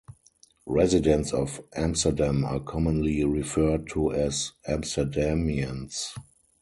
Residents of Amsterdam are commonly referred to as Amsterdamians.